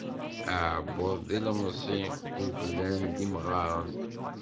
Aɛebbuḍ d ilemẓi, uglan d imɣaṛen.